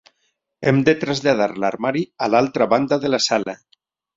Hem de traslladar l'armari a l'altra banda de la sala.